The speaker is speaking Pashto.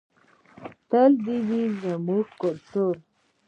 تل دې وي زموږ کلتور.